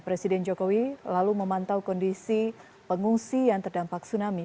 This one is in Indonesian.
presiden jokowi lalu memantau kondisi pengungsi yang terdampak tsunami